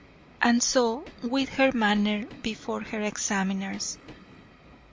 And so with her manner before her examiners.